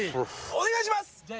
お願いします！